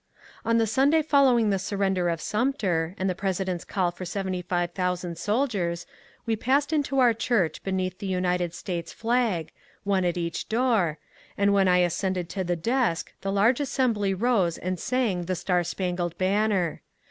On the Sunday following the surrender of Sumter and the President's call for seventy five thousand soldiers we passed into our church beneath the United States flag, — one at each door, — and when I ascended to the desk the large assembly rose and sang the" Star spangled Banner."